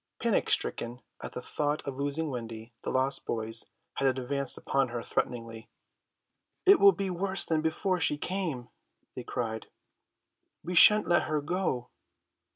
Panic stricken at the thought of losing Wendy the lost boys had advanced upon her threateningly. "It will be worse than before she came," they cried. "We shan't let her go."